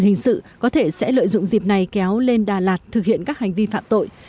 công an tp đà lạt có thể sẽ lợi dụng dịp này kéo lên đà lạt thực hiện các hành vi phạm tội